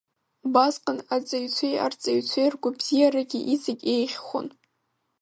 Убасҟан, аҵаҩцәеи арҵаҩцәеи ргәабзиарагьы иҵегь еиӷьхон.